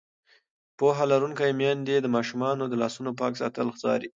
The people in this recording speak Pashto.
پوهه لرونکې میندې د ماشومانو د لاسونو پاک ساتل څاري.